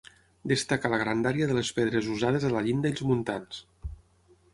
Destaca la grandària de les pedres usades a la llinda i els muntants.